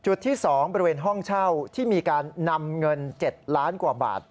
จุดที่๒บริเวณห้องเช่าที่มีการนำเงิน๗ล้านกว่าบาท